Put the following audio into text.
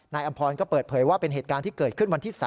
อำพรก็เปิดเผยว่าเป็นเหตุการณ์ที่เกิดขึ้นวันที่๓